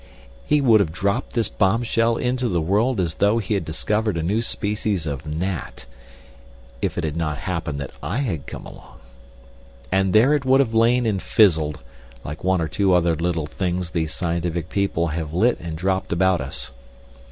He would have dropped this bombshell into the world as though he had discovered a new species of gnat, if it had not happened that I had come along. And there it would have lain and fizzled, like one or two other little things these scientific people have lit and dropped about us.